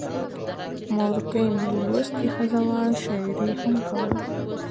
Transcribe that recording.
مورکۍ مې لوستې ښځه وه، شاعري یې هم کوله.